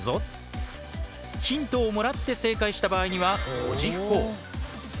ヒントをもらって正解した場合には５０ほぉ。